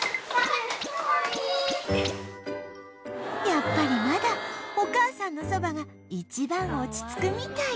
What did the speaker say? やっぱりまだお母さんのそばが一番落ち着くみたい